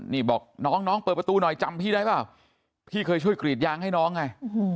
นี่บอกน้องน้องเปิดประตูหน่อยจำพี่ได้เปล่าพี่เคยช่วยกรีดยางให้น้องไง